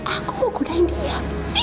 aku mau kodain dia